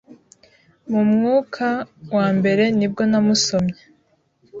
Mu mwuka wambere nibwo namusomye